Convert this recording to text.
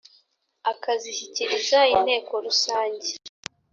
akazishyikiriza inteko rusange